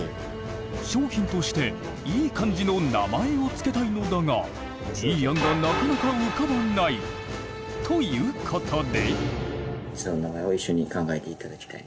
商品としていい感じの名前を付けたいのだがいい案がなかなか浮かばない。ということで。